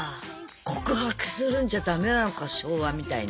告白するんじゃダメなのか昭和みたいに。